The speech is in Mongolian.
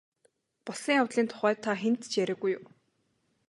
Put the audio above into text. Болсон явдлын тухай та хэнд ч яриагүй юу?